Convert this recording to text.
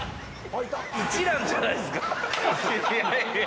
一蘭じゃないっすか！